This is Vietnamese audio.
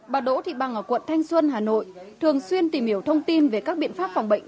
bà đỗ thị bằng ở quận thanh xuân hà nội thường xuyên tìm hiểu thông tin về các biện pháp phòng bệnh